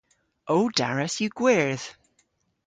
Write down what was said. Ow daras yw gwyrdh.